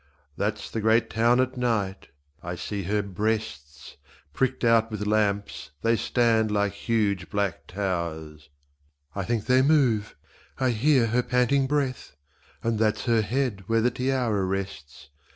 That's the great town at night : I see her breasts, Pricked out with lamps they stand like huge black towers, I think they move ! I hear her panting breath. And that's her head where the tiara rests.